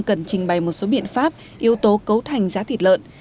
cần trình bày một số biện pháp yếu tố cấu thành giá thịt lợn